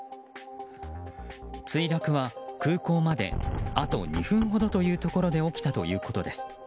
墜落は空港まであと２分ほどというところで起きたということです。